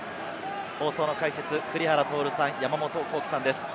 放送の解説・栗原徹さん、山本幸輝さんです。